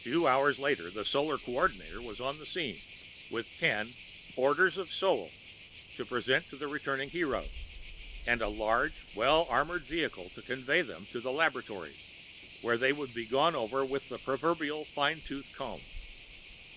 Two hours later, the Solar co ordinator was on the scene, with ten Orders of Sol to present to the returning heroes, and a large well armored vehicle to convey them to laboratories, where they would be gone over with the proverbial fine tooth comb.